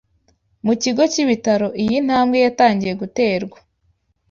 Mu kigo cy’ibitaro iyi ntambwe yatangiye guterwa